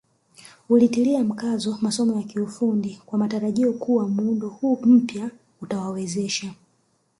Ulitilia mkazo masomo ya kiufundi kwa matarajio kuwa muundo huu mpya utawawezesha